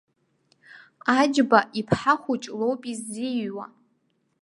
Аџьба иԥҳа хәыҷы лоуп иззиҩуа.